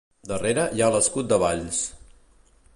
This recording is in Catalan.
Darrere hi ha l'escut de Valls.